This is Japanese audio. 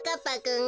ん？